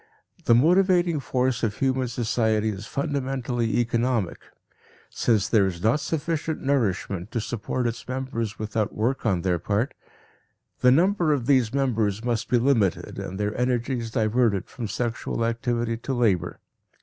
The motivating force of human society is fundamentally economic; since there is not sufficient nourishment to support its members without work on their part, the number of these members must be limited and their energies diverted from sexual activity to labor.